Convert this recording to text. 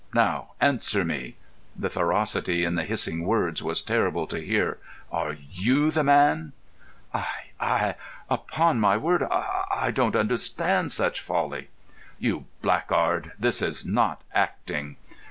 "Now answer me." The ferocity in the hissing words was terrible to hear. "Are you the man?" "I—I—— Upon my word, I—don't understand such folly." "You blackguard! This is not acting."